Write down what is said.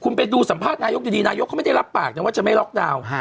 คุณไปดูสัมภาษณนายกดีนายกเขาไม่ได้รับปากนะว่าจะไม่ล็อกดาวน์